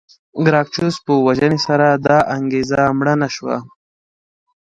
ګراکچوس په وژنې سره دا انګېزه مړه نه شوه.